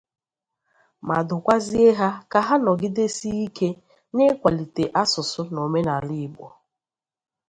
ma dụkwazie ha ka ha nọgidesie ike n'ịkwálite asụsụ na omenala Igbo.